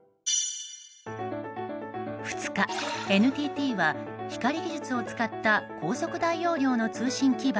２日、ＮＴＴは光技術を使った高速大容量の通信基盤